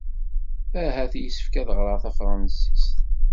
Ahat yessefk ad ɣreɣ tafṛensist.